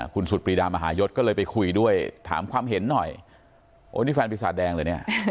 คุณสุดปรีดามหายศก็เลยไปคุยด้วยถามความเห็นหน่อยโอ้นี่แฟนปีศาจแดงเลยเนี่ย